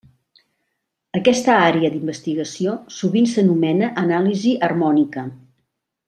Aquesta àrea d'investigació sovint s'anomena anàlisi harmònica.